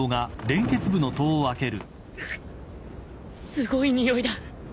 すごいにおいだ